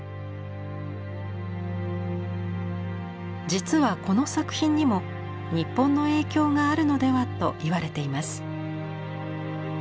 実はこの作品にも日本の影響があるのではと言われています。